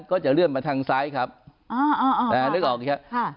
ก็จะเลื่อนมาทางซ้ายครับอ๋ออ๋ออ๋อนึกออกไหมครับค่ะ